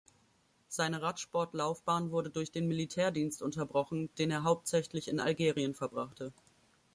Seine Radsportlaufbahn wurde durch den Militärdienst unterbrochen, den er hauptsächlich in Algerien verbrachte.